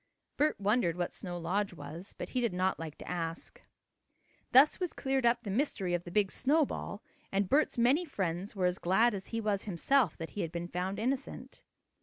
Bert wondered what Snow Lodge was, but he did not like to ask. Thus was cleared up the mystery of the big snowball, and Bert's many friends were as glad as he was himself that he had been found innocent.